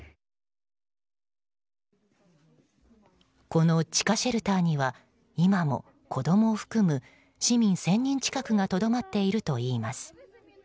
この地下シェルターには今も、子供を含む市民１０００人近くがとどまっているといいます。